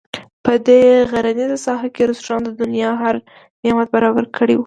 په دې غرنیزه ساحه کې رسټورانټ د دنیا هر نعمت برابر کړی وو.